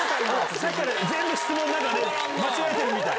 さっきから、全部、質問、間違えてるみたい。